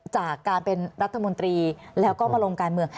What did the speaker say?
จากการเป็นรัฐมนตรีแล้วก็มาลงการเมือง